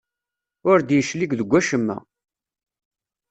Ur d-yeclig deg wacemma.